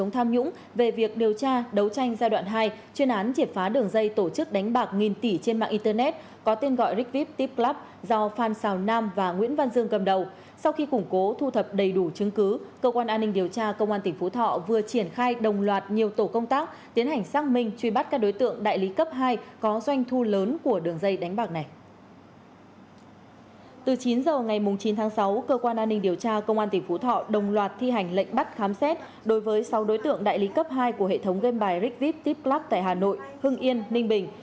từ chín giờ ngày chín tháng sáu cơ quan an ninh điều tra công an tỉnh phú thọ đồng loạt thi hành lệnh bắt khám xét đối với sáu đối tượng đại lý cấp hai của hệ thống game bài rigvip tipclub tại hà nội hưng yên ninh bình